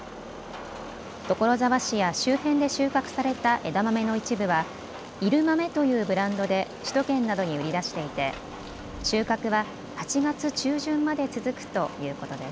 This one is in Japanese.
所沢市や周辺で収穫された枝豆の一部はいるまめというブランドで首都圏などに売り出していて収穫は８月中旬まで続くということです。